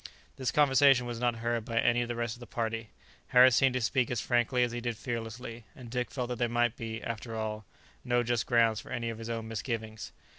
This conversation was not heard by any of the rest of the party. Harris seemed to speak as frankly as he did fearlessly, and Dick felt that there might be, after all, no just grounds for any of his own misgivings.